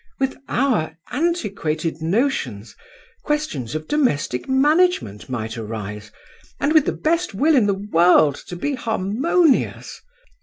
" With our antiquated notions, questions of domestic management might arise, and with the best will in the world to be harmonious!"